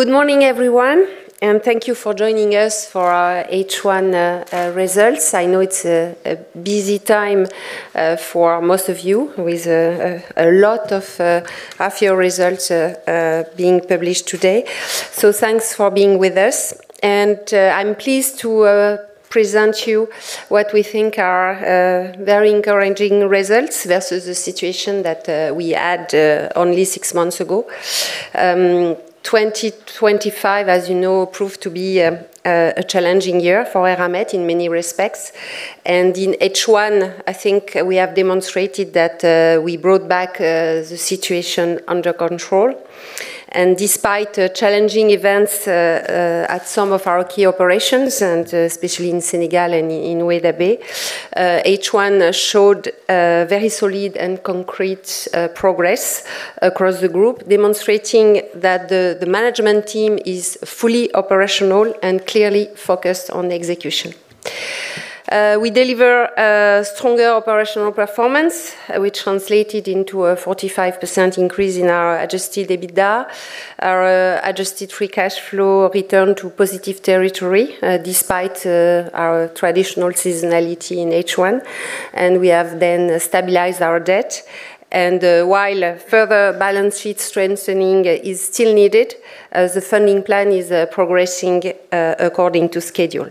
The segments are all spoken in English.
Good morning, everyone. Thank you for joining us for our H1 results. I know it is a busy time for most of you with a lot of half-year results being published today. Thanks for being with us. I am pleased to present to you what we think are very encouraging results versus the situation that we had only six months ago. 2025, as you know, proved to be a challenging year for Eramet in many respects. In H1, I think we have demonstrated that we brought back the situation under control. Despite challenging events at some of our key operations, especially in Senegal and in Weda Bay, H1 showed very solid and concrete progress across the group, demonstrating that the management team is fully operational and clearly focused on execution. We deliver a stronger operational performance, which translated into a 45% increase in our adjusted EBITDA. Our adjusted free cash flow returned to positive territory despite our traditional seasonality in H1. We have then stabilized our debt. While further balance sheet strengthening is still needed, the funding plan is progressing according to schedule.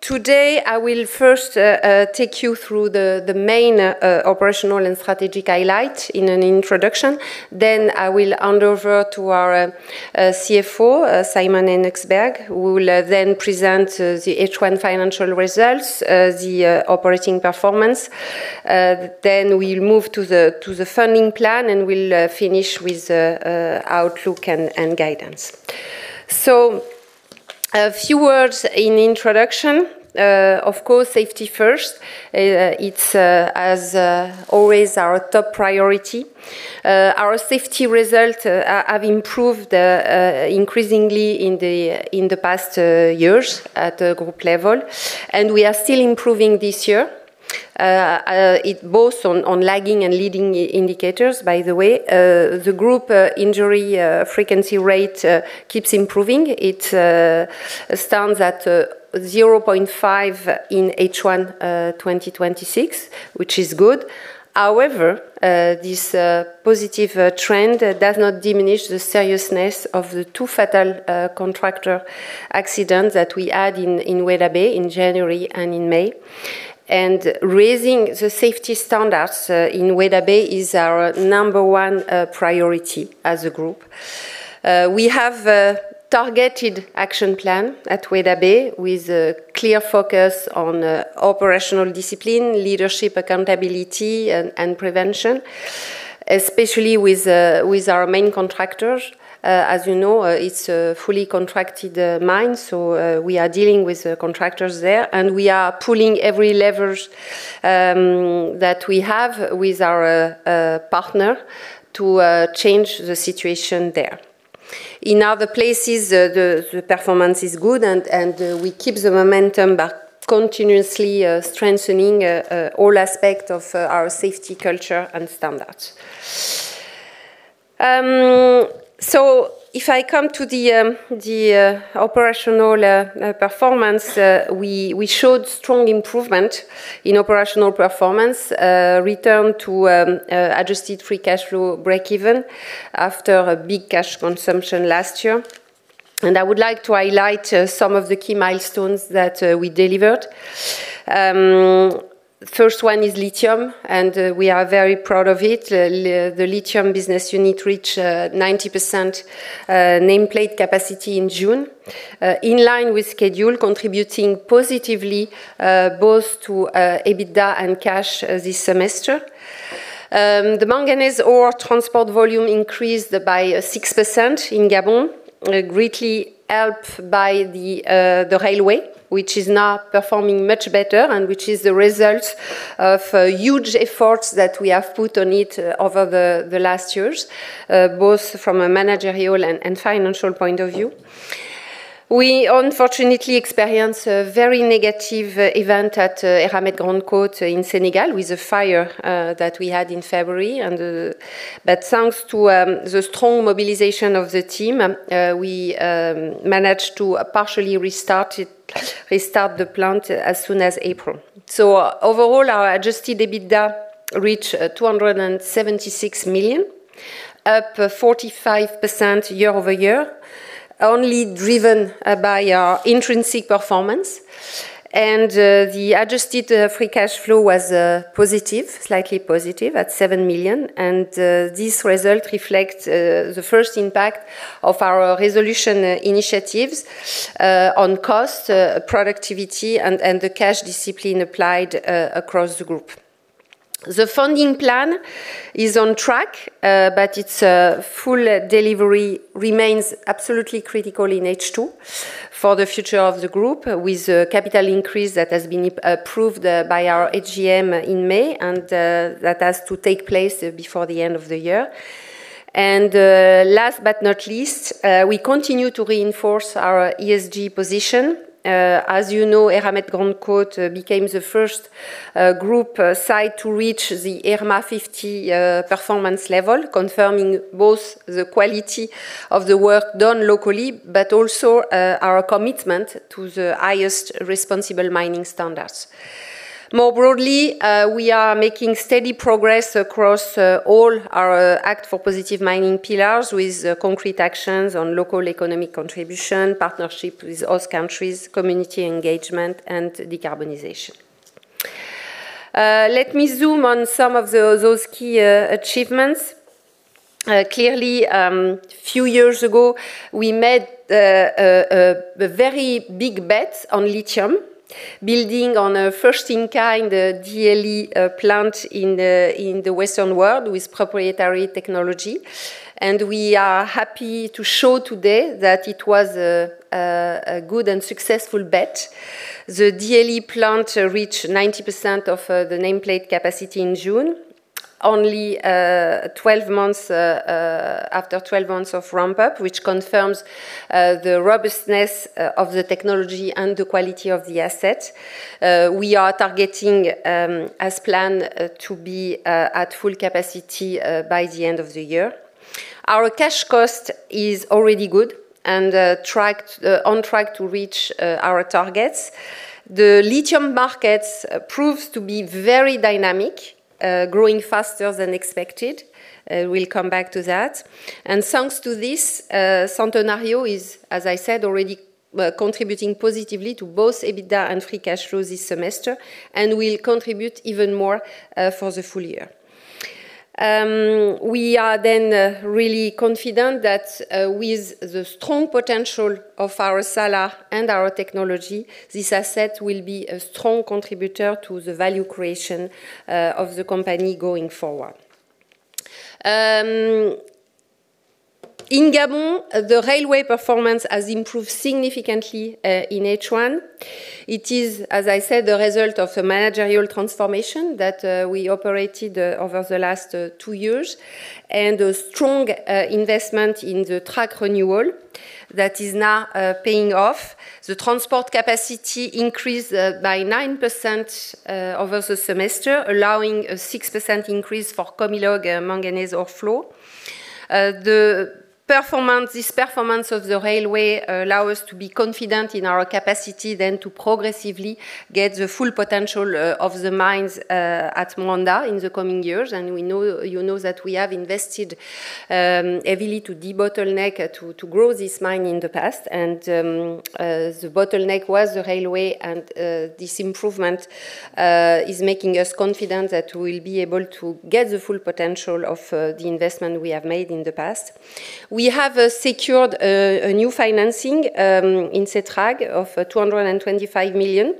Today, I will first take you through the main operational and strategic highlight in an introduction. I will hand over to our CFO, Simon Henochsberg, who will then present the H1 financial results, the operating performance. We will move to the funding plan, and we will finish with the outlook and guidance. A few words in introduction. Of course, safety first. It is, as always, our top priority. Our safety results have improved increasingly in the past years at the group level, and we are still improving this year, both on lagging and leading indicators, by the way. The group injury frequency rate keeps improving. It stands at 0.5 in H1 2026, which is good. However, this positive trend does not diminish the seriousness of the two fatal contractor accidents that we had in Weda Bay in January and in May. Raising the safety standards in Weda Bay is our number one priority as a group. We have a targeted action plan at Weda Bay with a clear focus on operational discipline, leadership, accountability, and prevention, especially with our main contractors. As you know, it is a fully contracted mine. We are dealing with contractors there, and we are pulling every leverage that we have with our partner to change the situation there. In other places, the performance is good, and we keep the momentum by continuously strengthening all aspects of our safety culture and standards. If I come to the operational performance, we showed strong improvement in operational performance, return to adjusted free cash flow breakeven after a big cash consumption last year. I would like to highlight some of the key milestones that we delivered. First one is lithium, and we are very proud of it. The lithium business unit reached 90% nameplate capacity in June, in line with schedule, contributing positively both to EBITDA and cash this semester. The manganese ore transport volume increased by 6% in Gabon, greatly helped by the railway, which is now performing much better and which is the result of huge efforts that we have put on it over the last years, both from a managerial and financial point of view. We unfortunately experienced a very negative event at Eramet Grande Côte in Senegal with a fire that we had in February. Thanks to the strong mobilization of the team, we managed to partially restart the plant as soon as April. Overall, our adjusted EBITDA reached 276 million, up 45% year-over-year, only driven by our intrinsic performance. The adjusted free cash flow was positive, slightly positive at 7 million. This result reflects the first impact of our ReSolution initiatives on cost, productivity, and the cash discipline applied across the group. The funding plan is on track, its full delivery remains absolutely critical in H2 for the future of the group, with a capital increase that has been approved by our AGM in May and that has to take place before the end of the year. Last but not least, we continue to reinforce our ESG position. As you know, Eramet Grande Côte became the first group site to reach the IRMA 50 performance level, confirming both the quality of the work done locally, also our commitment to the highest responsible mining standards. More broadly, we are making steady progress across all our Act for Positive Mining pillars with concrete actions on local economic contribution, partnership with host countries, community engagement, and decarbonization. Let me zoom on some of those key achievements. Clearly, a few years ago, we made a very big bet on lithium, building on a first in kind DLE plant in the Western world with proprietary technology. We are happy to show today that it was a good and successful bet. The DLE plant reached 90% of the nameplate capacity in June. Only after 12 months of ramp-up, which confirms the robustness of the technology and the quality of the asset. We are targeting, as planned, to be at full capacity by the end of the year. Our cash cost is already good and on track to reach our targets. The lithium markets proves to be very dynamic, growing faster than expected. We'll come back to that. Thanks to this, Centenario is, as I said, already contributing positively to both EBITDA and free cash flow this semester and will contribute even more for the full year. We are really confident that with the strong potential of our salar and our technology, this asset will be a strong contributor to the value creation of the company going forward. In Gabon, the railway performance has improved significantly in H1. It is, as I said, the result of a managerial transformation that we operated over the last two years and a strong investment in the track renewal that is now paying off. The transport capacity increased by 9% over the semester, allowing a 6% increase for Comilog manganese ore flow. This performance of the railway allow us to be confident in our capacity then to progressively get the full potential of the mines at Moanda in the coming years. You know that we have invested heavily to debottleneck to grow this mine in the past. The bottleneck was the railway and this improvement is making us confident that we'll be able to get the full potential of the investment we have made in the past. We have secured a new financing in SETRAG of 225 million,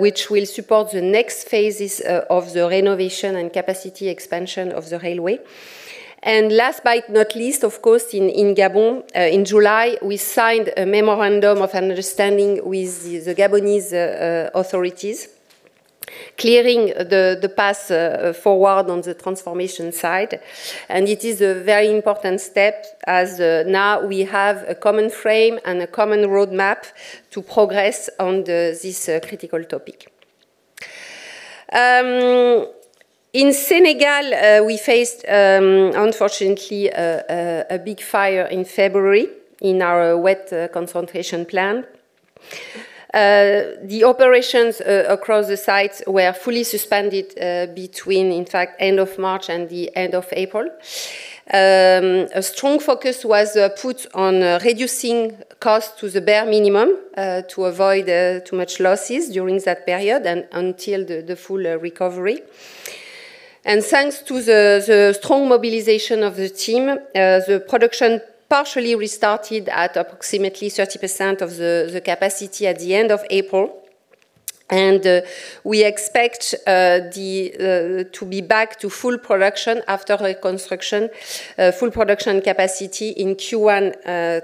which will support the next phases of the renovation and capacity expansion of the railway. Last but not least, of course, in Gabon, in July, we signed a memorandum of understanding with the Gabonese authorities clearing the path forward on the transformation side. It is a very important step as now we have a common frame and a common roadmap to progress on this critical topic. In Senegal, we faced, unfortunately, a big fire in February in our wet concentration plant. The operations across the sites were fully suspended between end of March and the end of April. A strong focus was put on reducing costs to the bare minimum to avoid too much losses during that period and until the full recovery. Thanks to the strong mobilization of the team, the production partially restarted at approximately 30% of the capacity at the end of April. We expect to be back to full production after reconstruction. Full production capacity in Q1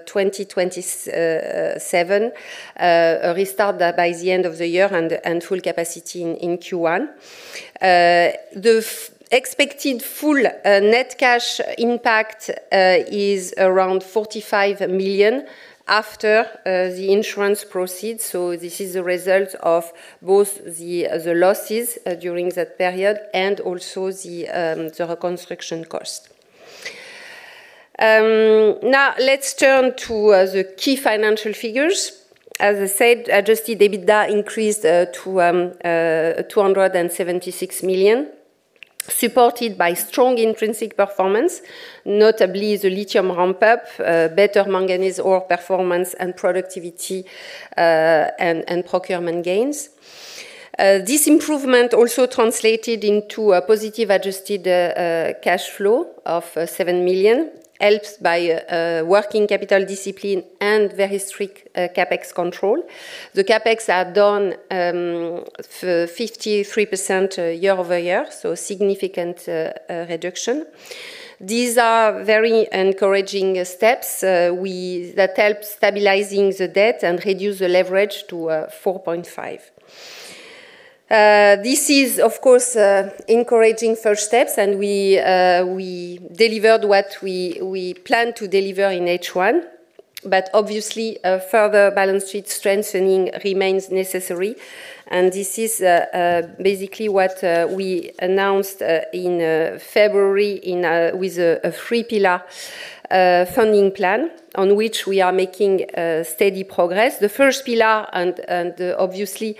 2027. Restart by the end of the year and full capacity in Q1. The expected full net cash impact is around 45 million after the insurance proceeds. This is a result of both the losses during that period and also the reconstruction cost. Now, let's turn to the key financial figures. As I said, adjusted EBITDA increased to 276 million, supported by strong intrinsic performance, notably the lithium ramp-up, better manganese ore performance and productivity, and procurement gains. This improvement also translated into a positive adjusted cash flow of 7 million, helped by working capital discipline and very strict CapEx control. The CapEx are down 53% year-over-year, significant reduction. These are very encouraging steps that help stabilizing the debt and reduce the leverage to 4.5. This is, of course, encouraging first steps, and we delivered what we planned to deliver in H1. Obviously, further balance sheet strengthening remains necessary. This is basically what we announced in February with a three-pillar funding plan on which we are making steady progress. The first pillar, obviously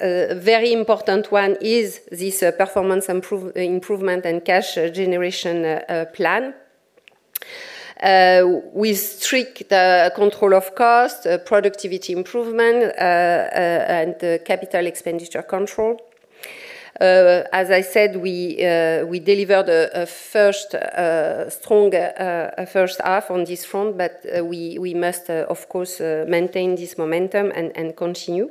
a very important one, is this performance improvement and cash generation plan. With strict control of cost, productivity improvement, and capital expenditure control. As I said, we delivered a strong first half on this front, but we must, of course, maintain this momentum and continue.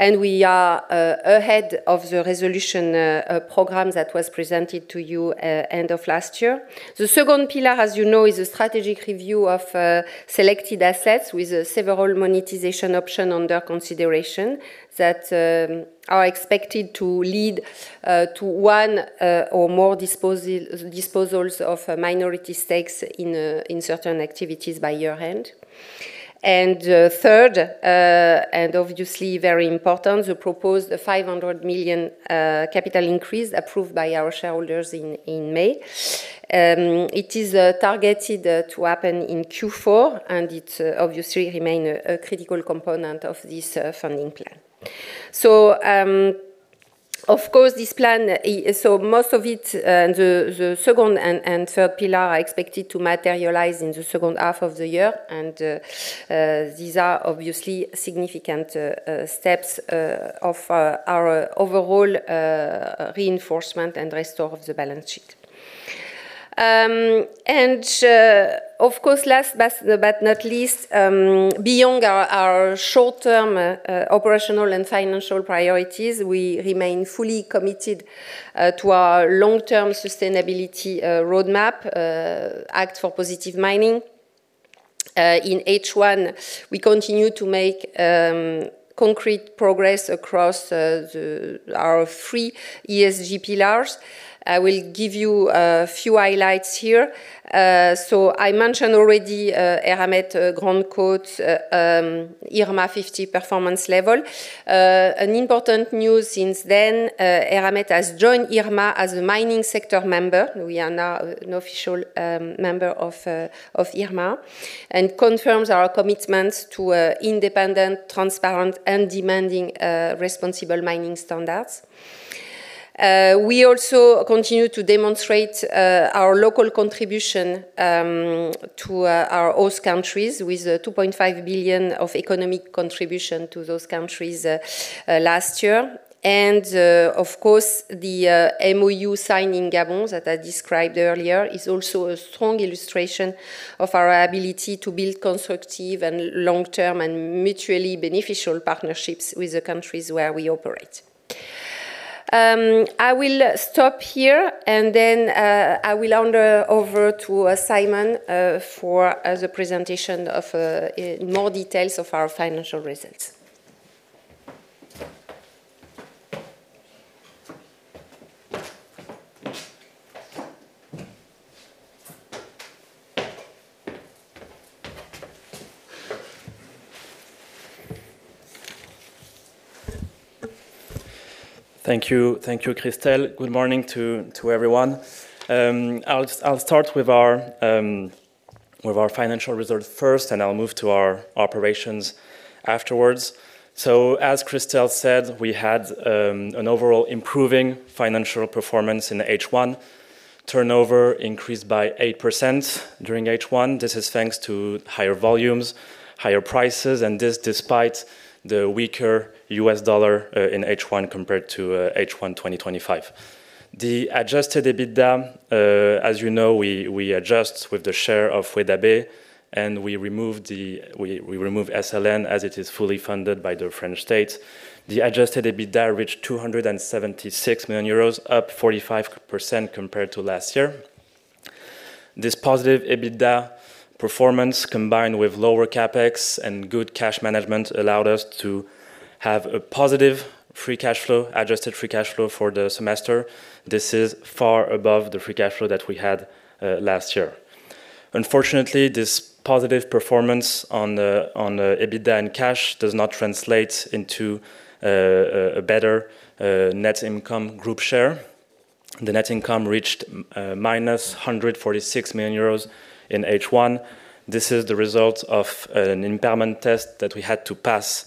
We are ahead of the ReSolution program that was presented to you end of last year. The second pillar, as you know, is a strategic review of selected assets with several monetization options under consideration that are expected to lead to one or more disposals of minority stakes in certain activities by year-end. Third, obviously very important, we proposed a 500 million capital increase approved by our shareholders in May. It is targeted to happen in Q4, it obviously remains a critical component of this funding plan. Of course, most of the second and third pillar are expected to materialize in the second half of the year, these are obviously significant steps of our overall reinforcement and restore of the balance sheet. Of course, last but not least, beyond our short-term operational and financial priorities, we remain fully committed to our long-term sustainability roadmap, Act for Positive Mining. In H1, we continue to make concrete progress across our three ESG pillars. I will give you a few highlights here. Important news since then, Eramet has joined IRMA as a mining sector member. We are now an official member of IRMA and confirms our commitments to independent, transparent, and demanding responsible mining standards. We also continue to demonstrate our local contribution to our host countries with 2.5 billion of economic contribution to those countries last year. Of course, the MoU signed in Gabon that I described earlier is also a strong illustration of our ability to build constructive and long-term and mutually beneficial partnerships with the countries where we operate. I will stop here and I will hand over to Simon for the presentation of more details of our financial results. Thank you. Thank you, Christel. Good morning to everyone. I'll start with our financial results first, I'll move to our operations afterwards. As Christel said, we had an overall improving financial performance in H1. Turnover increased by 8% during H1. This is thanks to higher volumes, higher prices, despite the weaker US dollar in H1 compared to H1 2025. The adjusted EBITDA, as you know, we adjust with the share of Weda Bay, and we remove SLN as it is fully funded by the French state. The adjusted EBITDA reached 276 million euros, up 45% compared to last year. This positive EBITDA performance, combined with lower CapEx and good cash management, allowed us to have a positive adjusted free cash flow for the semester. This is far above the free cash flow that we had last year. Unfortunately, this positive performance on the EBITDA and cash does not translate into a better net income group share. The net income reached minus 146 million euros in H1. This is the result of an impairment test that we had to pass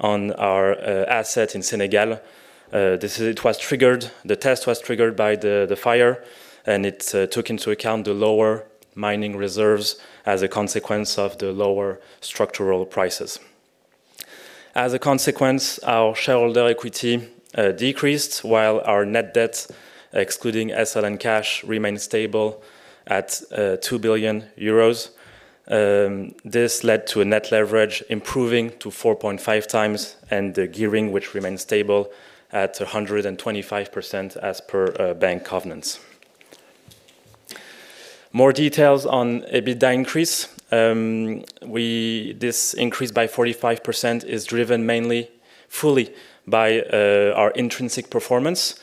on our asset in Senegal. The test was triggered by the fire, it took into account the lower mining reserves as a consequence of the lower structural prices. Consequently, our shareholder equity decreased while our net debt, excluding SLN cash, remained stable at 2 billion euros. This led to a net leverage improving to 4.5x and the gearing, which remains stable at 125% as per bank covenants. More details on EBITDA increase. This increase by 45% is driven mainly fully by our intrinsic performance.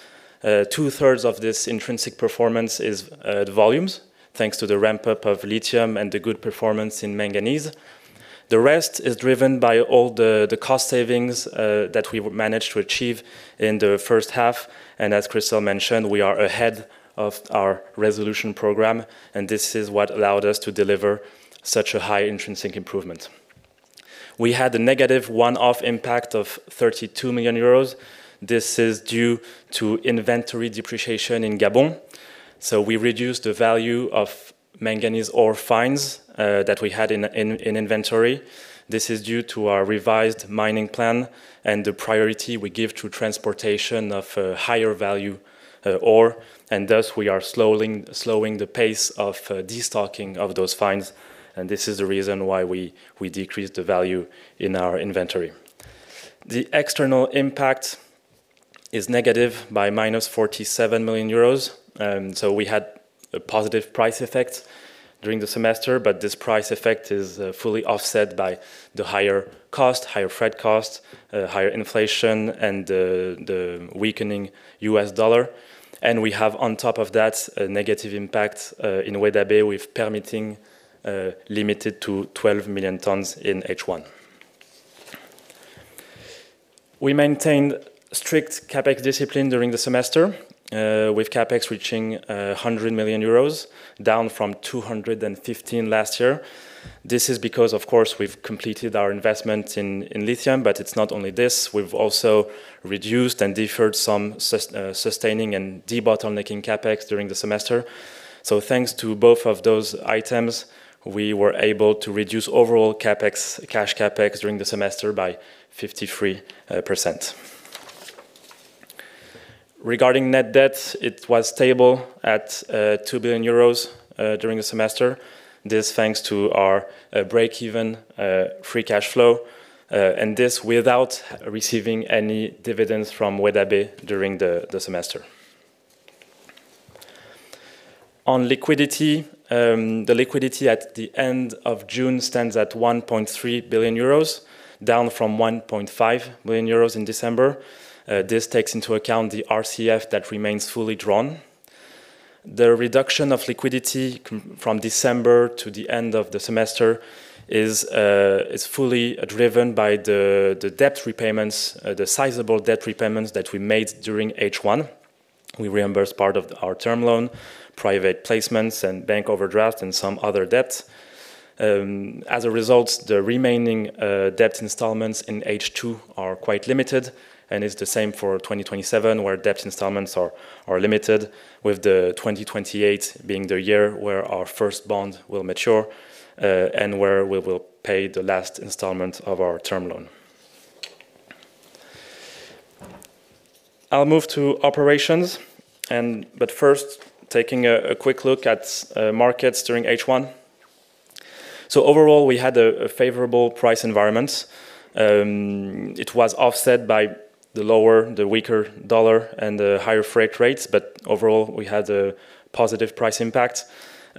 Two-thirds of this intrinsic performance is volumes, thanks to the ramp-up of lithium and the good performance in manganese. The rest is driven by all the cost savings that we managed to achieve in the first half. As Christel mentioned, we are ahead of our ReSolution program, this is what allowed us to deliver such a high intrinsic improvement. We had a negative one-off impact of 32 million euros. This is due to inventory depreciation in Gabon. We reduced the value of manganese ore fines that we had in inventory. This is due to our revised mining plan and the priority we give to transportation of higher value ore. Thus, we are slowing the pace of de-stocking of those fines, this is the reason why we decreased the value in our inventory. The external impact is negative by minus 47 million euros. We had a positive price effect during the semester, but this price effect is fully offset by the higher cost, higher freight cost, higher inflation, and the weakening U.S. dollar. We have on top of that, a negative impact in Weda Bay with permitting limited to 12 million tons in H1. We maintained strict CapEx discipline during the semester, with CapEx reaching 100 million euros, down from 215 million last year. This is because, of course, we've completed our investment in lithium, but it's not only this. We've also reduced and deferred some sustaining and de-bottlenecking CapEx during the semester. Thanks to both of those items, we were able to reduce overall cash CapEx during the semester by 53%. Regarding net debt, it was stable at 2 billion euros during the semester. This thanks to our break-even free cash flow, this without receiving any dividends from Weda Bay during the semester. On liquidity, the liquidity at the end of June stands at 1.3 billion euros, down from 1.5 billion euros in December. This takes into account the RCF that remains fully drawn. The reduction of liquidity from December to the end of the semester is fully driven by the sizable debt repayments that we made during H1. We reimbursed part of our term loan, private placements and bank overdraft and some other debt. As a result, the remaining debt installments in H2 are quite limited and is the same for 2027, where debt installments are limited with the 2028 being the year where our first bond will mature, and where we will pay the last installment of our term loan. I'll move to operations. First, taking a quick look at markets during H1. Overall, we had a favorable price environment. It was offset by the weaker dollar and the higher freight rates, but overall, we had a positive price impact.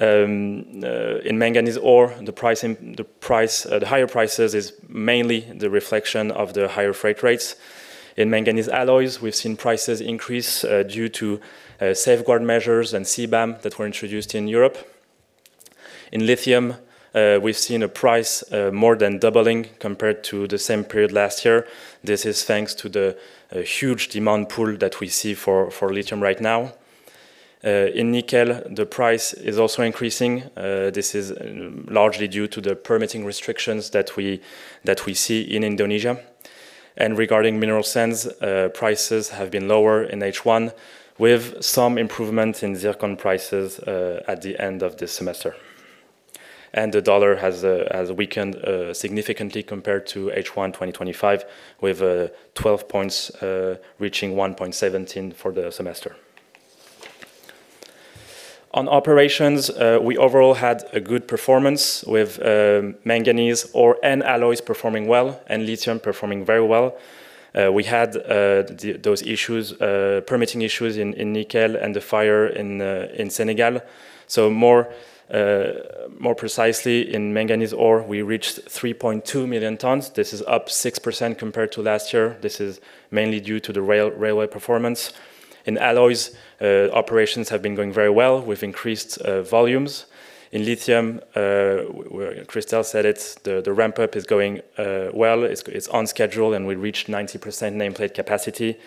In manganese ore, the higher prices is mainly the reflection of the higher freight rates. In manganese alloys, we've seen prices increase due to safeguard measures and CBAM that were introduced in Europe. In lithium, we've seen a price more than doubling compared to the same period last year. This is thanks to the huge demand pool that we see for lithium right now. In nickel, the price is also increasing. This is largely due to the permitting restrictions that we see in Indonesia. Regarding mineral sands, prices have been lower in H1 with some improvement in zircon prices at the end of the semester. The dollar has weakened significantly compared to H1 2025 with 12 points, reaching 1.17 for the semester. On operations, we overall had a good performance with manganese ore and alloys performing well and lithium performing very well. We had those permitting issues in nickel and the fire in Senegal. More precisely in manganese ore, we reached 3.2 million tons. This is up 6% compared to last year. This is mainly due to the railway performance. In alloys, operations have been going very well. We've increased volumes. In lithium, Christel said the ramp-up is going well. It's on schedule and we reached 90% nameplate capacity.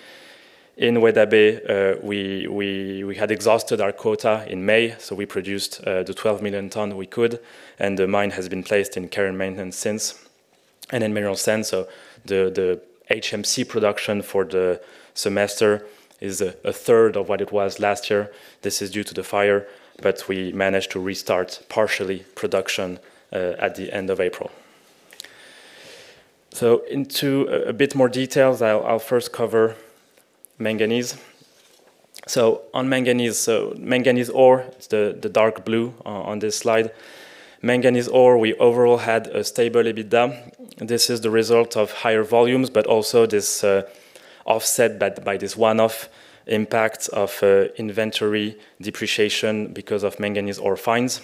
In Weda Bay, we had exhausted our quota in May, we produced the 12 million ton we could, and the mine has been placed in care and maintenance since. In mineral sands, the HMC production for the semester is a third of what it was last year. This is due to the fire, but we managed to restart partially production at the end of April. Into a bit more details, I will first cover manganese. On manganese ore, it is the dark blue on this slide. Manganese ore, we overall had a stable EBITDA. This is the result of higher volumes, but also this Offset by this one-off impact of inventory depreciation because of manganese ore fines.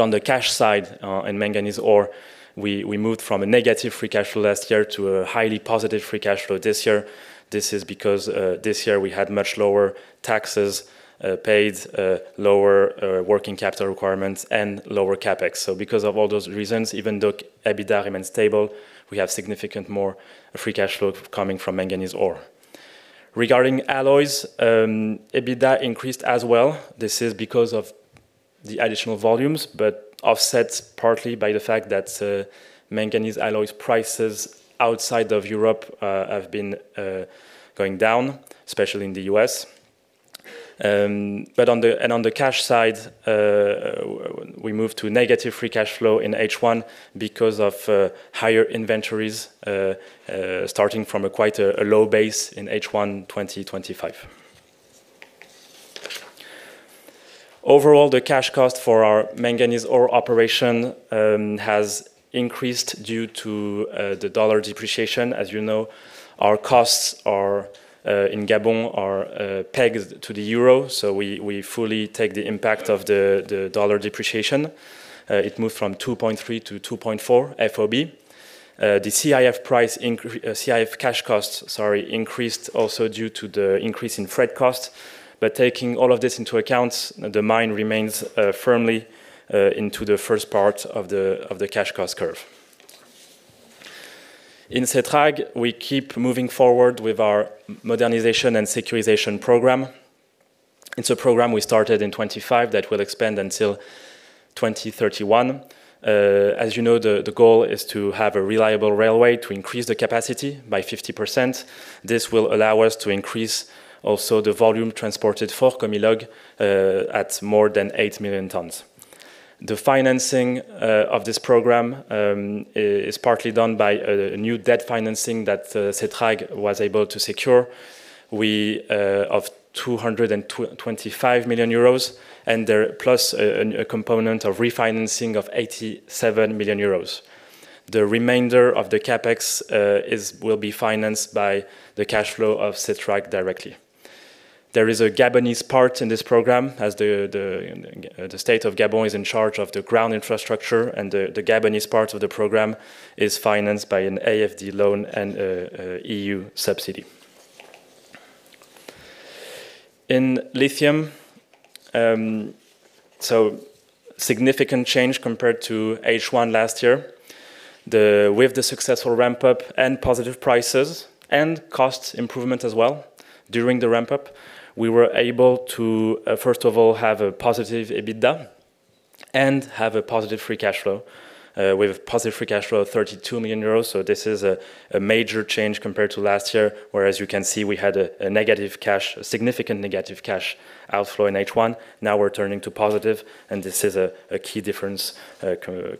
On the cash side in manganese ore, we moved from a negative free cash flow last year to a highly positive free cash flow this year. This is because this year we had much lower taxes paid, lower working capital requirements, and lower CapEx. Because of all those reasons, even though EBITDA remains stable, we have significant more free cash flow coming from manganese ore. Regarding alloys, EBITDA increased as well. This is because of the additional volumes, but offsets partly by the fact that manganese alloys prices outside of Europe have been going down, especially in the U.S. On the cash side, we moved to negative free cash flow in H1 because of higher inventories, starting from quite a low base in H1 2025. Overall, the cash cost for our manganese ore operation has increased due to the dollar depreciation. As you know, our costs in Gabon are pegged to the euro, so we fully take the impact of the dollar depreciation. It moved from 2.3-2.4 FOB. The CIF cash costs increased also due to the increase in freight costs. Taking all of this into account, the mine remains firmly into the first part of the cash cost curve. In SETRAG, we keep moving forward with our modernization and securitization program. It is a program we started in 2025 that will expand until 2031. As you know, the goal is to have a reliable railway to increase the capacity by 50%. This will allow us to increase also the volume transported for Comilog at more than 8 million tons. The financing of this program is partly done by a new debt financing that SETRAG was able to secure of 225 million euros and plus a component of refinancing of 87 million euros. The remainder of the CapEx will be financed by the cash flow of SETRAG directly. There is a Gabonese part in this program, as the state of Gabon is in charge of the ground infrastructure, and the Gabonese part of the program is financed by an AFD loan and a EU subsidy. In lithium, significant change compared to H1 last year. With the successful ramp-up and positive prices and cost improvement as well during the ramp-up, we were able to, first of all, have a positive EBITDA and have a positive free cash flow. We have positive free cash flow of 32 million euros. This is a major change compared to last year, where as you can see, we had a significant negative cash outflow in H1. Now we are turning to positive, and this is a key difference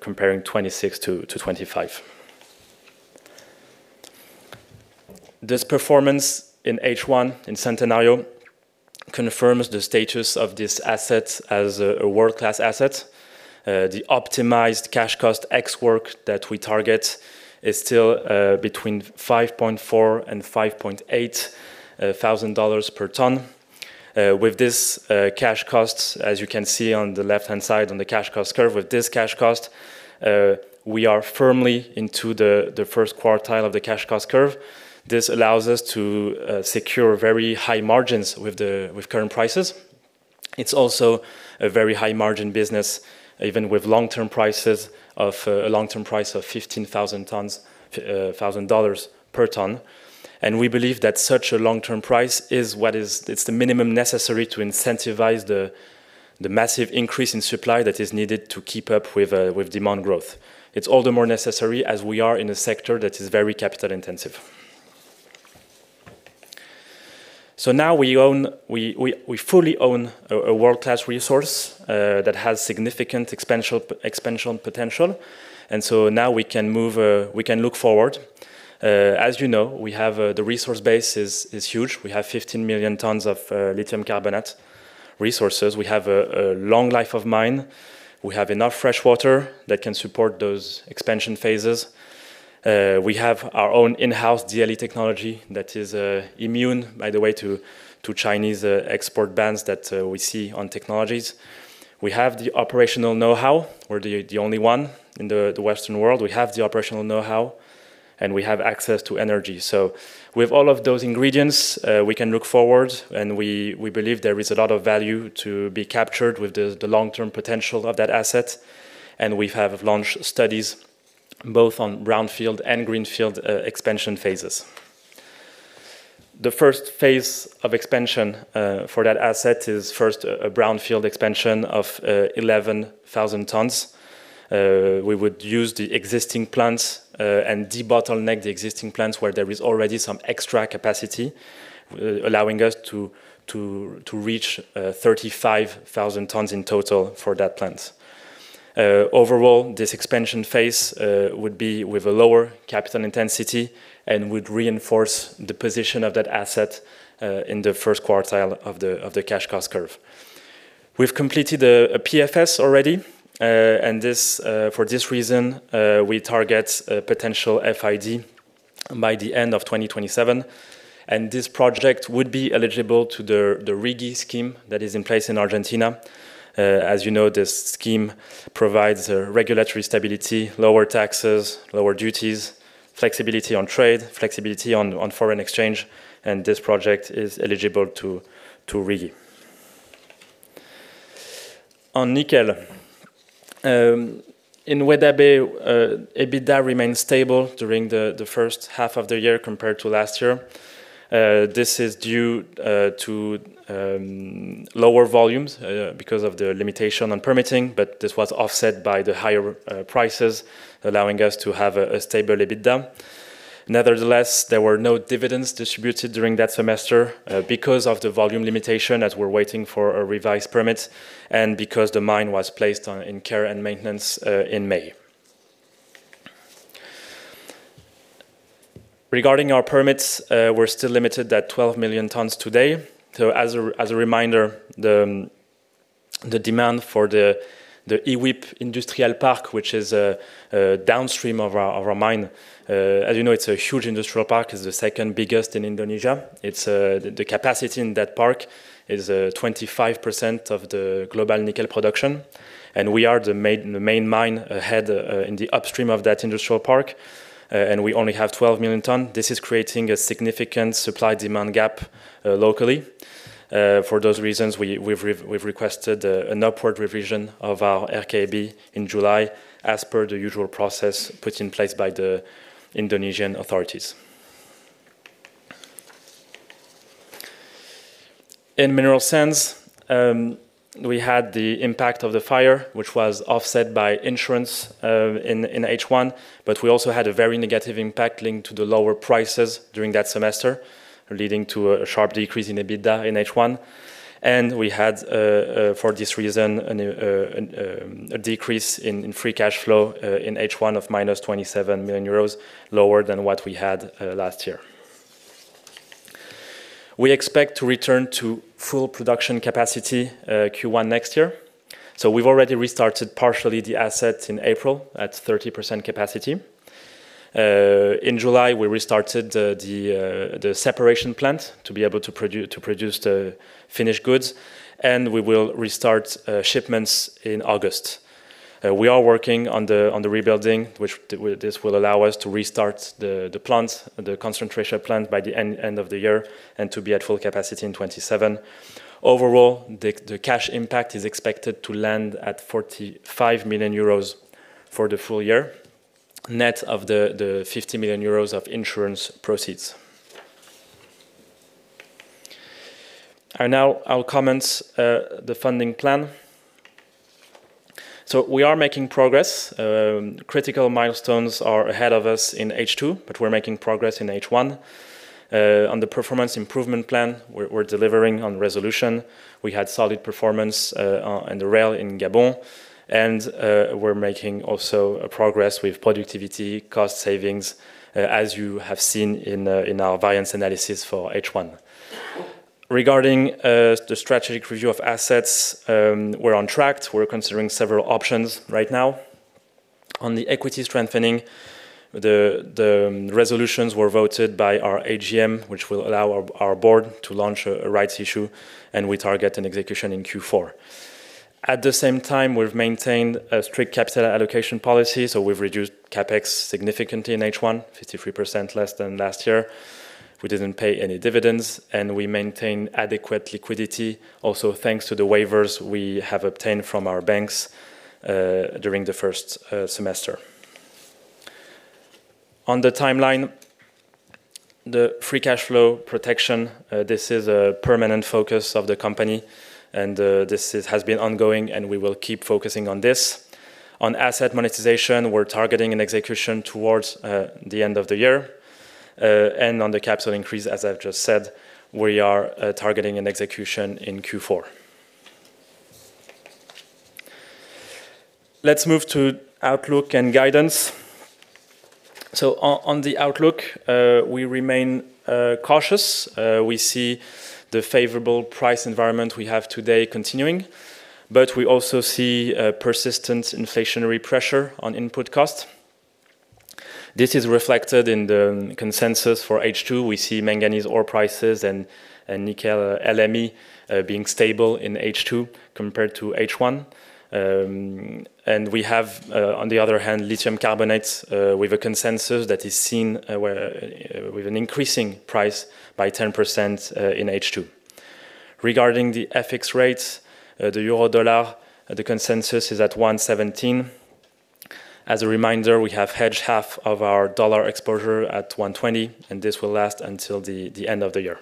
comparing 2026 to 2025. This performance in H1 in Centenario confirms the status of this asset as a world-class asset. The optimized cash cost ex-works that we target is still between 5,400 and EUR 5,800 per ton. With this cash cost, as you can see on the left-hand side on the cash cost curve, with this cash cost, we are firmly into the first quartile of the cash cost curve. This allows us to secure very high margins with current prices. It's also a very high margin business, even with a long-term price of 15,000 per ton. We believe that such a long-term price is the minimum necessary to incentivize the massive increase in supply that is needed to keep up with demand growth. It's all the more necessary as we are in a sector that is very capital intensive. Now we fully own a world-class resource that has significant expansion potential, now we can look forward. As you know, the resource base is huge. We have 15 million tons of lithium carbonate resources. We have a long life of mine. We have enough freshwater that can support those expansion phases. We have our own in-house DLE technology that is immune, by the way, to Chinese export bans that we see on technologies. We have the operational know-how. We're the only one in the Western world. We have the operational know-how, and we have access to energy. With all of those ingredients, we can look forward, and we believe there is a lot of value to be captured with the long-term potential of that asset. We have launched studies both on brownfield and greenfield expansion phases. The first phase of expansion for that asset is first a brownfield expansion of 11,000 tons. We would use the existing plants and debottleneck the existing plants where there is already some extra capacity, allowing us to reach 35,000 tons in total for that plant. Overall, this expansion phase would be with a lower capital intensity and would reinforce the position of that asset in the first quartile of the cash cost curve. We've completed a PFS already. For this reason, we target a potential FID by the end of 2027. This project would be eligible to the RIGI scheme that is in place in Argentina. As you know, this scheme provides regulatory stability, lower taxes, lower duties, flexibility on trade, flexibility on foreign exchange, and this project is eligible to RIGI. On nickel, in Weda Bay, EBITDA remains stable during the first half of the year compared to last year. This is due to lower volumes because of the limitation on permitting, but this was offset by the higher prices, allowing us to have a stable EBITDA. Nevertheless, there were no dividends distributed during that semester because of the volume limitation as we're waiting for a revised permit and because the mine was placed in care and maintenance in May. Regarding our permits, we're still limited at 12 million tons today. As a reminder, the demand for the IWIP industrial park, which is downstream of our mine. As you know, it's a huge industrial park, it's the second biggest in Indonesia. The capacity in that park is 25% of the global nickel production, and we are the main mine ahead in the upstream of that industrial park, and we only have 12 million tons. This is creating a significant supply-demand gap locally. For those reasons, we've requested an upward revision of our RKAB in July, as per the usual process put in place by the Indonesian authorities. In mineral sands, we had the impact of the fire, which was offset by insurance in H1. But we also had a very negative impact linked to the lower prices during that semester, leading to a sharp decrease in EBITDA in H1. And we had, for this reason, a decrease in free cash flow in H1 of -27 million euros, lower than what we had last year. We expect to return to full production capacity Q1 next year. We've already restarted partially the asset in April at 30% capacity. In July, we restarted the separation plant to be able to produce the finished goods, and we will restart shipments in August. We are working on the rebuilding. This will allow us to restart the concentration plant by the end of the year and to be at full capacity in 2027. Overall, the cash impact is expected to land at 45 million euros for the full year, net of the 50 million euros of insurance proceeds. Now I'll comment the funding plan. We are making progress. Critical milestones are ahead of us in H2, but we're making progress in H1. On the performance improvement plan, we're delivering on ReSolution. We had solid performance on the rail in Gabon, and we're making also a progress with productivity cost savings, as you have seen in our variance analysis for H1. Regarding the strategic review of assets, we're on track. We're considering several options right now. On the equity strengthening, the resolutions were voted by our AGM, which will allow our board to launch a rights issue, and we target an execution in Q4. At the same time, we've maintained a strict capital allocation policy, so we've reduced CapEx significantly in H1, 53% less than last year. We didn't pay any dividends, and we maintain adequate liquidity also thanks to the waivers we have obtained from our banks during the first semester. On the timeline, the free cash flow protection, this is a permanent focus of the company and this has been ongoing and we will keep focusing on this. On asset monetization, we're targeting an execution towards the end of the year. On the capital increase, as I've just said, we are targeting an execution in Q4. Let's move to outlook and guidance. On the outlook, we remain cautious. We see the favorable price environment we have today continuing, but we also see persistent inflationary pressure on input costs. This is reflected in the consensus for H2. We see manganese ore prices and nickel LME being stable in H2 compared to H1. And we have, on the other hand, lithium carbonate with a consensus that is seen with an increasing price by 10% in H2. Regarding the FX rates, the euro dollar, the consensus is at 117. As a reminder, we have hedged half of our dollar exposure at 120, and this will last until the end of the year.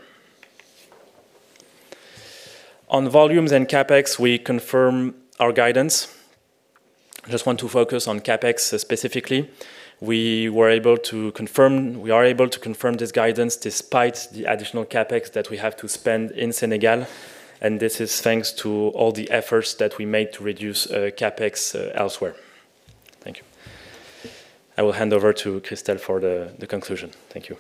On volumes and CapEx, we confirm our guidance. I just want to focus on CapEx specifically. We are able to confirm this guidance despite the additional CapEx that we have to spend in Senegal, and this is thanks to all the efforts that we made to reduce CapEx elsewhere. Thank you. I will hand over to Christel for the conclusion. Thank you.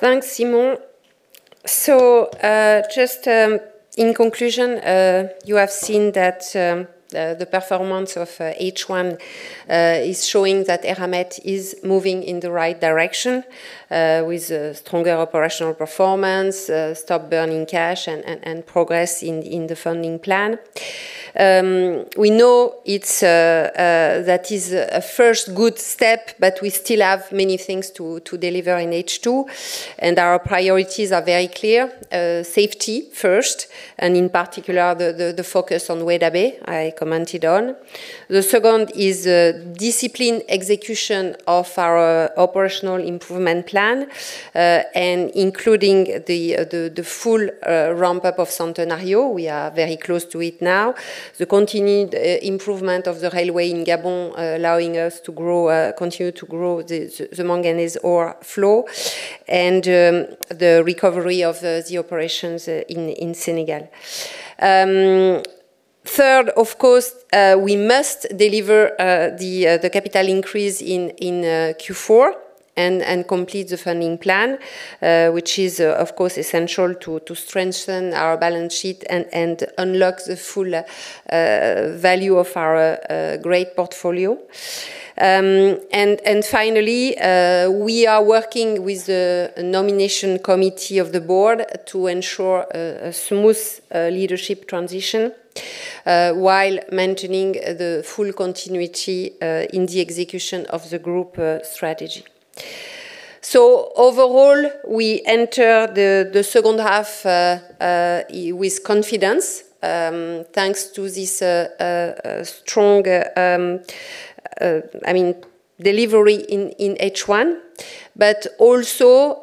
Thanks, Simon. Just in conclusion, you have seen that the performance of H1 is showing that Eramet is moving in the right direction with a stronger operational performance, stop burning cash, and progress in the funding plan. We know that is a first good step. We still have many things to deliver in H2. Our priorities are very clear. Safety first, and in particular, the focus on Weda Bay I commented on. The second is discipline execution of our operational improvement plan, and including the full ramp-up ofCentenario. We are very close to it now. The continued improvement of the railway in Gabon allowing us to continue to grow the manganese ore flow and the recovery of the operations in Senegal. Third, of course, we must deliver the capital increase in Q4 and complete the funding plan, which is, of course, essential to strengthen our balance sheet and unlock the full value of our great portfolio. Finally, we are working with the nomination committee of the board to ensure a smooth leadership transition while maintaining the full continuity in the execution of the group strategy. Overall, we enter the second half with confidence thanks to this strong delivery in H1, but also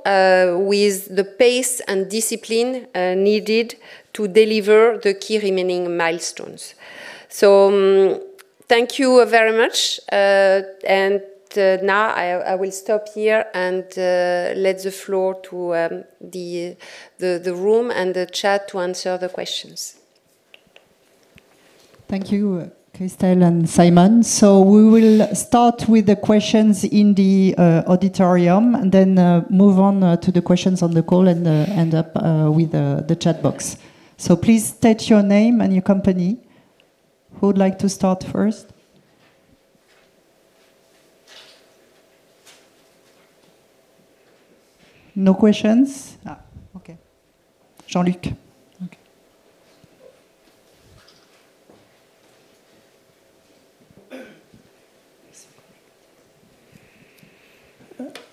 with the pace and discipline needed to deliver the key remaining milestones. Thank you very much. Now I will stop here and let the floor to the room and the chat to answer the questions. Thank you, Christel and Simon. We will start with the questions in the auditorium and then move on to the questions on the call and end up with the chat box. Please state your name and your company. Who would like to start first? No questions? Okay. Jean-Luc. Okay.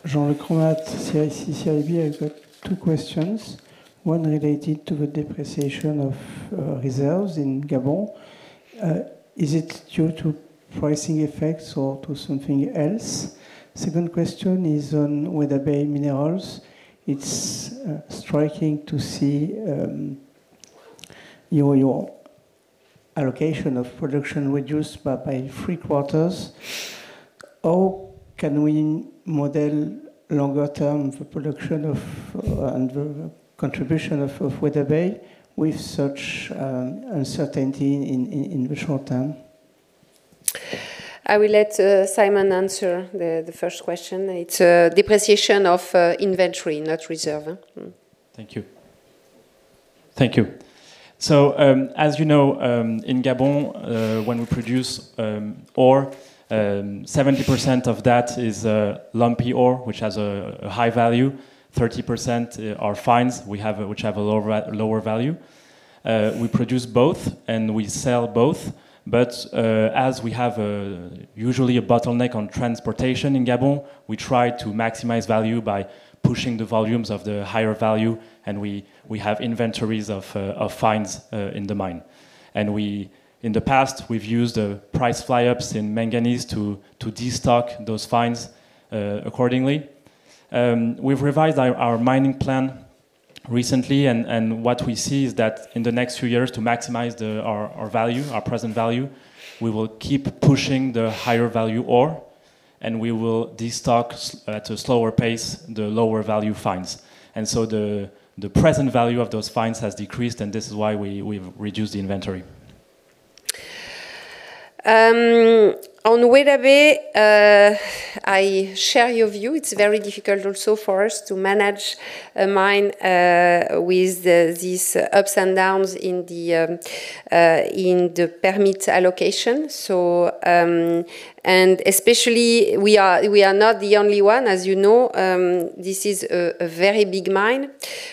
Jean-Luc, CCIB. I've got two questions, one related to the depreciation of reserves in Gabon. Is it due to pricing effects or to something else? Second question is on Weda Bay Minerals. It's striking to see your allocation of production reduced by three quarters. How can we model longer term the production of and the contribution of Weda Bay with such uncertainty in the short term? I will let Simon answer the first question. It's depreciation of inventory, not reserve. Thank you. As you know, in Gabon, when we produce ore, 70% of that is lumpy ore, which has a high value. 30% are fines, which have a lower value. We produce both, and we sell both. As we have usually a bottleneck on transportation in Gabon, we try to maximize value by pushing the volumes of the higher value, and we have inventories of fines in the mine. In the past, we've used price fly-ups in manganese to destock those fines accordingly. We've revised our mining plan recently, and what we see is that in the next few years to maximize our value, our present value, we will keep pushing the higher value ore, and we will destock at a slower pace the lower value fines. The present value of those fines has decreased, and this is why we've reduced the inventory. On Weda Bay, I share your view. It's very difficult also for us to manage a mine with these ups and downs in the permit allocation. Especially, we are not the only one. As you know, this is a very big mine,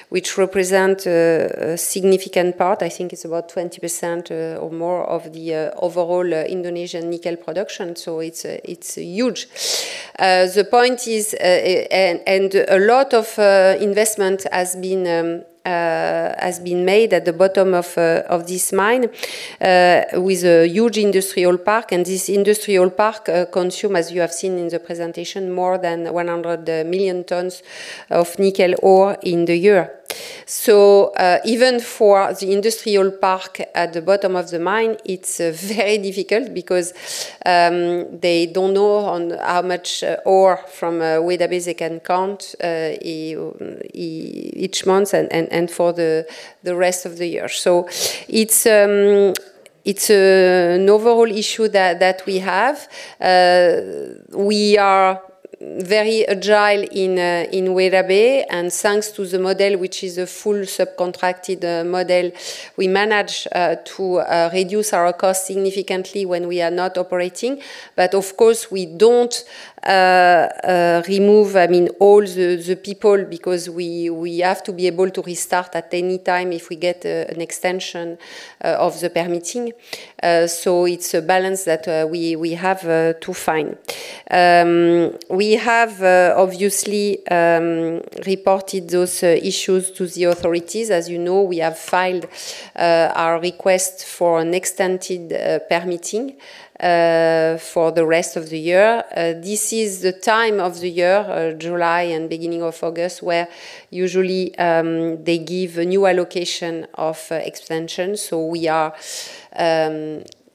which represent a significant part. I think it's about 20% or more of the overall Indonesian nickel production. It's huge. A lot of investment has been made at the bottom of this mine with a huge industrial park. This industrial park consume, as you have seen in the presentation, more than 100 million tons of nickel ore in the year. Even for the industrial park at the bottom of the mine, it's very difficult because they don't know on how much ore from Weda Bay they can count each month and for the rest of the year. It's an overall issue that we have. We are very agile in Weda Bay, thanks to the model, which is a fully subcontracted model, we manage to reduce our costs significantly when we are not operating. Of course, we don't remove all the people, because we have to be able to restart at any time if we get an extension of the permitting. It's a balance that we have to find. We have obviously reported those issues to the authorities. As you know, we have filed our request for an extended permitting for the rest of the year. This is the time of the year, July and beginning of August, where usually they give a new allocation of extensions. We are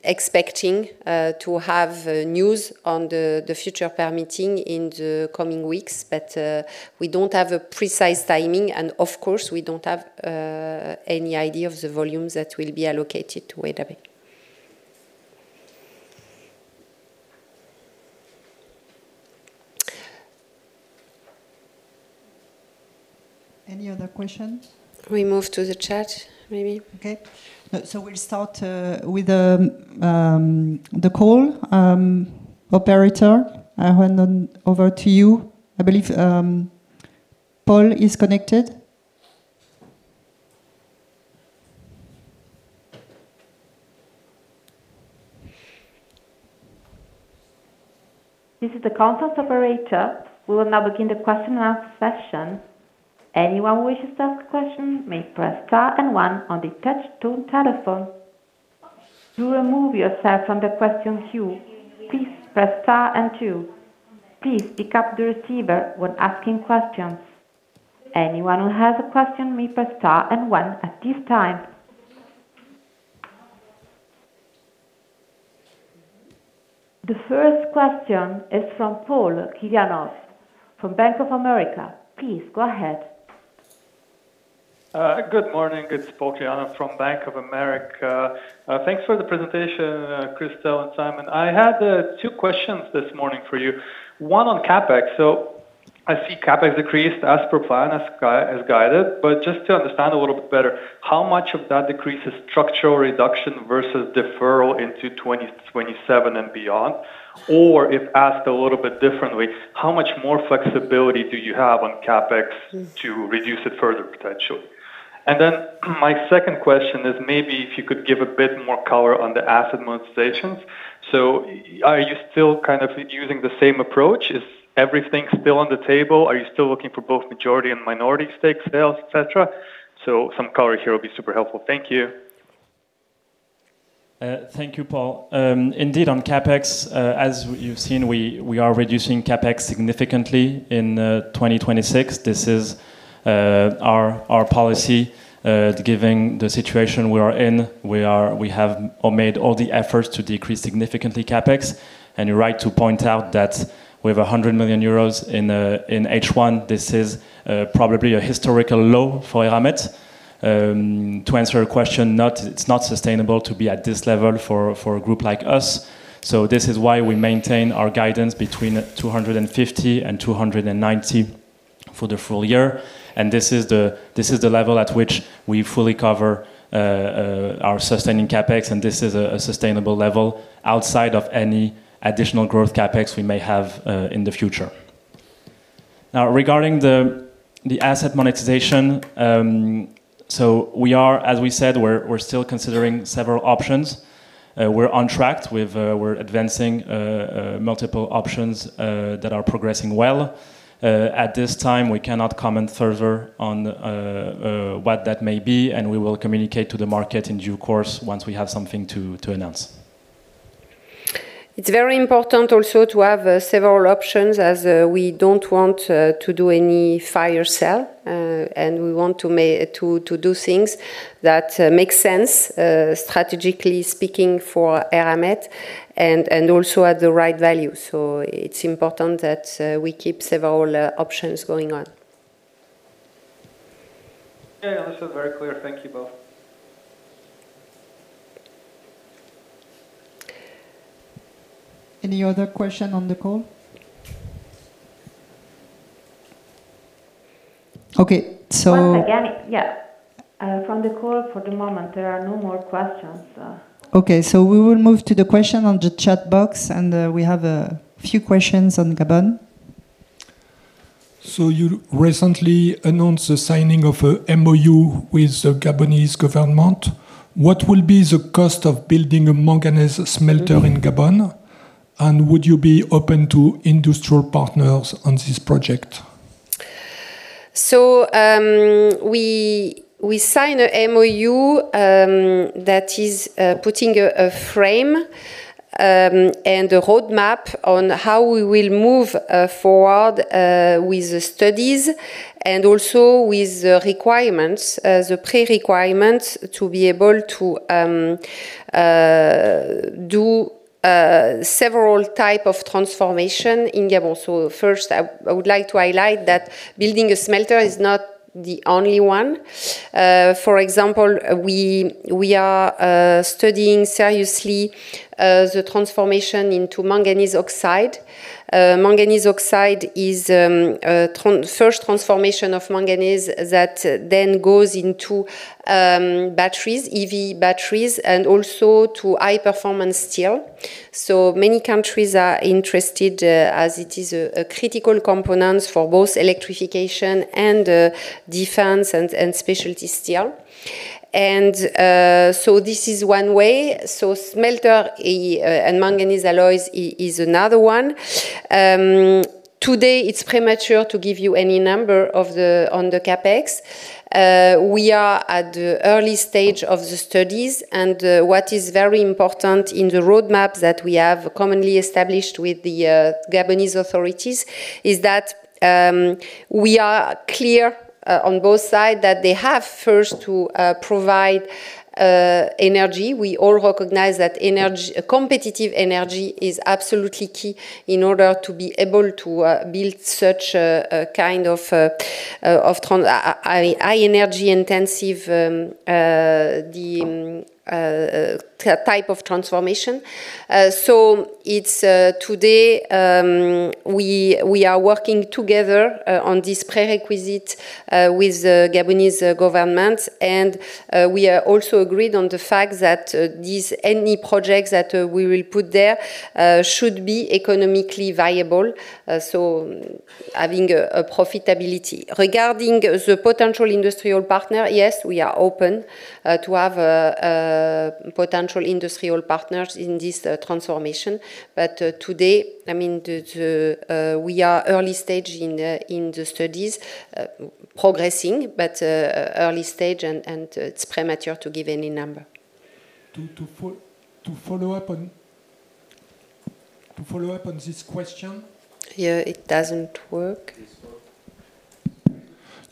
expecting to have news on the future permitting in the coming weeks. We don't have a precise timing, and of course, we don't have any idea of the volumes that will be allocated to Weda Bay. Any other questions? We move to the chat, maybe. Okay. We'll start with the call operator. I hand over to you. I believe Paul is connected. This is the conference operator. We will now begin the question and answer session. Anyone who wishes to ask a question may press star and one on the touch tone telephone. To remove yourself from the questions queue, please press star and two. Please pick up the receiver when asking questions. Anyone who has a question may press star and one at this time. The first question is from Paul Kirjanovs from Bank of America. Please go ahead. Good morning. It's Paul Kirjanovs from Bank of America. Thanks for the presentation, Christel and Simon. I had two questions this morning for you, one on CapEx. I see CapEx decreased as per plan, as guided. Just to understand a little bit better, how much of that decrease is structural reduction versus deferral into 2027 and beyond? Or if asked a little bit differently, how much more flexibility do you have on CapEx to reduce it further, potentially? My second question is maybe if you could give a bit more color on the asset monetizations. Are you still using the same approach? Is everything still on the table? Are you still looking for both majority and minority stake sales, et cetera? Some color here would be super helpful. Thank you. Thank you, Paul. Indeed, on CapEx, as you've seen, we are reducing CapEx significantly in 2026. This is our policy. Given the situation we are in, we have made all the efforts to decrease significantly CapEx. You're right to point out that we have 100 million euros in H1. This is probably a historical low for Eramet. To answer your question, it's not sustainable to be at this level for a group like us. This is why we maintain our guidance between 250 and 290 for the full year. This is the level at which we fully cover our sustaining CapEx, and this is a sustainable level outside of any additional growth CapEx we may have in the future. Regarding the asset monetization, as we said, we're still considering several options. We're on track. We're advancing multiple options that are progressing well. At this time, we cannot comment further on what that may be. We will communicate to the market in due course once we have something to announce. It's very important also to have several options as we don't want to do any fire sale. We want to do things that make sense, strategically speaking, for Eramet and also at the right value. It's important that we keep several options going on. Yeah, this is very clear. Thank you both. Any other question on the call? Okay. Once again, yeah. From the call for the moment, there are no more questions. Okay, we will move to the question on the chat box. We have a few questions on Gabon. You recently announced the signing of a MoU with the Gabonese government. What will be the cost of building a manganese smelter in Gabon? Would you be open to industrial partners on this project? We sign a MoU that is putting a frame and a roadmap on how we will move forward with the studies and also with the requirements, the pre-requirements to be able to do several type of transformation in Gabon. First, I would like to highlight that building a smelter is not the only one. For example, we are studying seriously the transformation into Manganese oxide. Manganese oxide is first transformation of manganese that then goes into batteries, EV batteries, and also to high-performance steel. Many countries are interested as it is a critical component for both electrification and defense and specialty steel. This is one way. Smelter and manganese alloys is another one. Today, it is premature to give you any number on the CapEx. We are at the early stage of the studies, what is very important in the roadmap that we have commonly established with the Gabonese authorities is that we are clear on both sides that they have first to provide energy. We all recognize that competitive energy is absolutely key in order to be able to build such a kind of high energy intensive type of transformation. Today, we are working together on this prerequisite with Gabonese government. We are also agreed on the fact that any projects that we will put there should be economically viable, so having a profitability. Regarding the potential industrial partner, yes, we are open to have potential industrial partners in this transformation. Today, we are early stage in the studies. Progressing, but early stage and it is premature to give any number. To follow up on this question. Here, it doesn't work.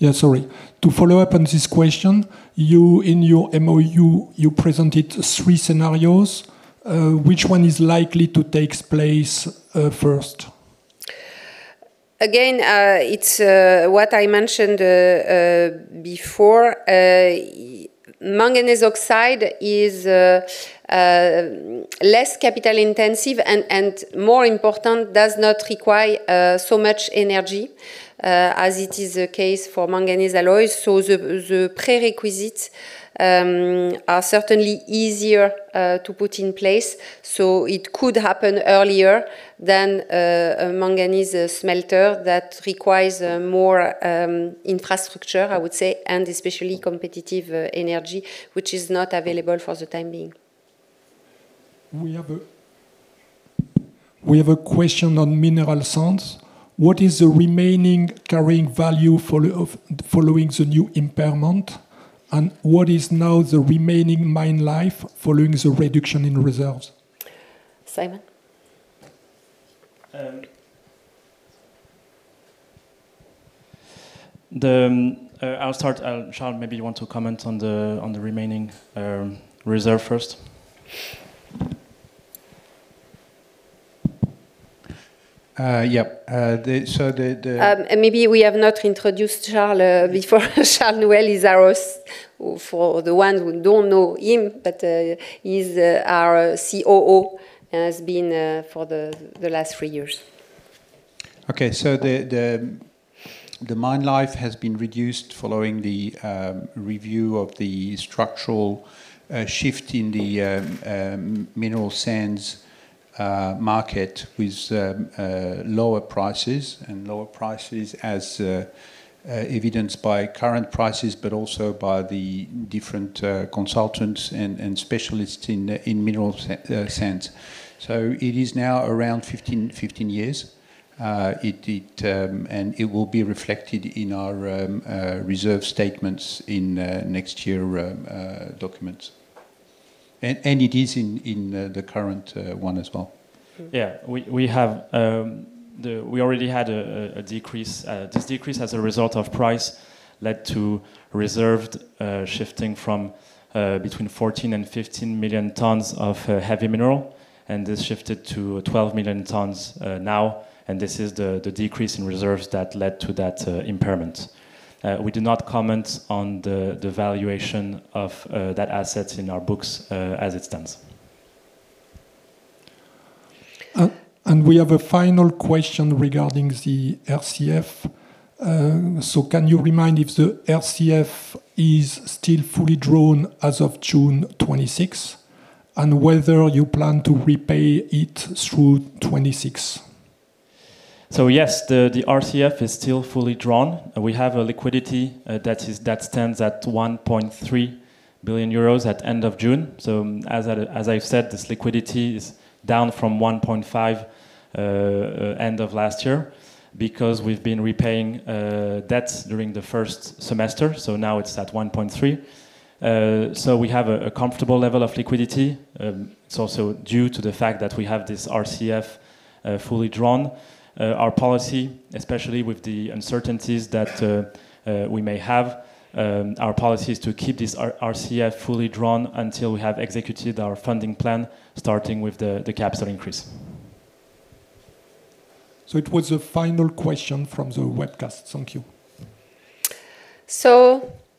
Yeah, sorry. To follow up on this question, in your MOU, you presented three scenarios. Which one is likely to take place first? It's what I mentioned before. Manganese oxide is less capital intensive and, more important, does not require so much energy as it is the case for manganese alloys. The prerequisites are certainly easier to put in place. It could happen earlier than a manganese smelter that requires more infrastructure, I would say, and especially competitive energy, which is not available for the time being. We have a question on mineral sands. What is the remaining carrying value following the new impairment, and what is now the remaining mine life following the reduction in reserves? Simon? I'll start. Charles, maybe you want to comment on the remaining reserve first. Yeah. Maybe we have not introduced Charles before. Charles Nouel is ours, for the ones who don't know him. He's our COO and has been for the last three years. Okay. The mine life has been reduced following the review of the structural shift in the mineral sands market with lower prices, lower prices as evidenced by current prices, also by the different consultants and specialists in mineral sands. It is now around 15 years. It will be reflected in our reserve statements in next year documents. It is in the current one as well. Yeah. We already had a decrease. This decrease as a result of price led to reserved shifting from between 14 million and 15 million tons of heavy mineral, this shifted to 12 million tons now. This is the decrease in reserves that led to that impairment. We do not comment on the valuation of that asset in our books as it stands. We have a final question regarding the RCF. Can you remind if the RCF is still fully drawn as of June 26, whether you plan to repay it through 2026? Yes, the RCF is still fully drawn. We have a liquidity that stands at 1.3 billion euros at end of June. As I've said, this liquidity is down from 1.5 billion end of last year because we've been repaying debts during the first semester. Now it's at 1.3 billion. We have a comfortable level of liquidity. It's also due to the fact that we have this RCF fully drawn. Our policy, especially with the uncertainties that we may have, our policy is to keep this RCF fully drawn until we have executed our funding plan, starting with the capital increase. It was the final question from the webcast. Thank you.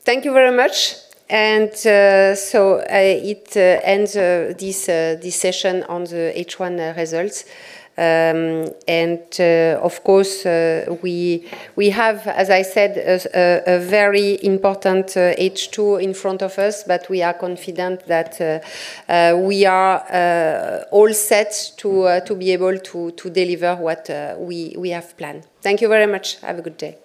Thank you very much. It ends this session on the H1 results. Of course, we have, as I said, a very important H2 in front of us, but we are confident that we are all set to be able to deliver what we have planned. Thank you very much. Have a good day.